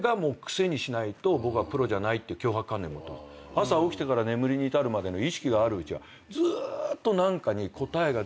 朝起きてから眠りに至るまでの意識があるうちはずーっと。